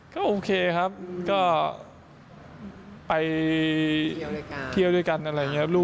ก็โอเคครับก็ไปเที่ยวด้วยกันอะไรอย่างนี้ครับ